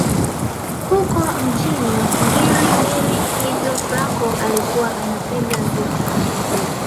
Huko mjini Ngiri Ngiri hivyo Fraco alikuwa anapiga gitaa